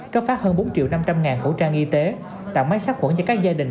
cấp phát hơn bốn triệu năm trăm linh ngàn khẩu trang y tế tạo máy sát khuẩn cho các gia đình